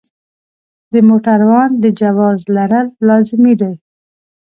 د موټروان د جواز لرل لازمي دي.